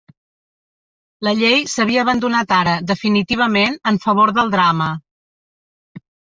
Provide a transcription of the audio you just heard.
La llei s'havia abandonat ara definitivament en favor del drama.